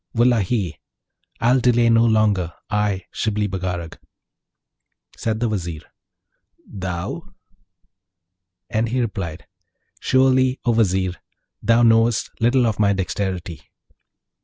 Wullahy! I'll delay no longer, I, Shibli Bagarag.' Said the Vizier, 'Thou?' And he replied, 'Surely, O Vizier! thou knowest little of my dexterity.'